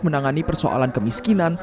menangani persoalan kemiskinan